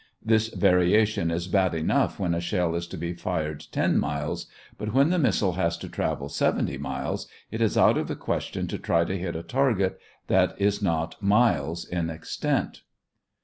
This variation is bad enough when a shell is to be fired ten miles, but when the missile has to travel seventy miles, it is out of the question to try to hit a target that is not miles in extent.